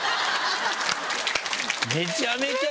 めちゃめちゃ！